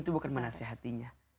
itu bukan menasehatinya